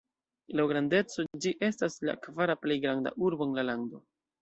Laŭ grandeco ĝi estas la kvara plej granda urbo en la lando.